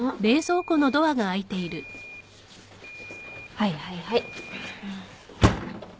はいはいはい。